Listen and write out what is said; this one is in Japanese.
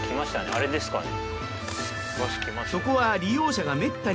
あれですかね。